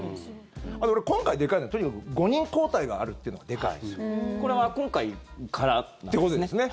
あと、今回でかいのはとにかく５人交代があるっていうのがでかい。ってことですね。